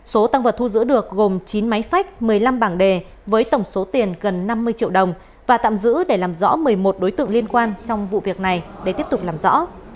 số tăng vật thu giữ được gồm chín máy phách một mươi năm bảng đề với tổng số tiền gần năm mươi triệu đồng và tạm giữ để làm rõ một mươi một đối tượng liên quan trong vụ việc này để tiếp tục làm rõ